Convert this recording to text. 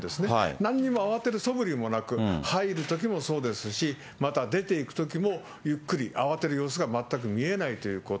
なんにも慌てるそぶりもなく、入るときもそうですし、また出ていくときもゆっくり、慌てる様子が全く見えないということ。